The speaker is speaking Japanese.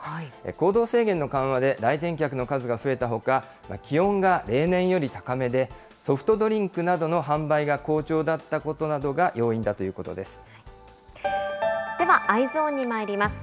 行動制限の緩和で来店客の数が増えたほか、気温が例年より高めで、ソフトドリンクなどの販売が好調だったことなどが要因だというこでは、Ｅｙｅｓｏｎにまいります。